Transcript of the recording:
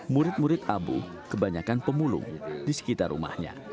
murid murid abu kebanyakan pemulung di sekitar rumahnya